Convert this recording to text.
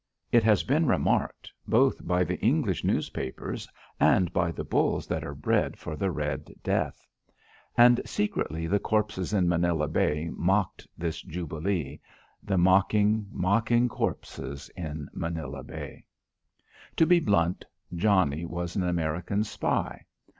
It has been remarked both by the English newspapers and by the bulls that are bred for the red death. And secretly the corpses in Manila Bay mocked this jubilee; the mocking, mocking corpses in Manila Bay. To be blunt, Johnnie was an American spy.